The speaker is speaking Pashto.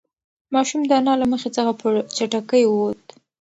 ماشوم د انا له مخې څخه په چټکۍ ووت.